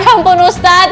ya ampun ustadz